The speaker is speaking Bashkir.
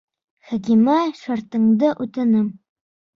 Хәкимә, шартыңды үтәнем.